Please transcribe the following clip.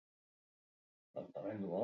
Kolpe handia izan zen taldearentzat.